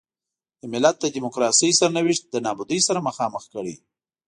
د ملت د ډیموکراسۍ سرنوشت له نابودۍ سره مخامخ کړي.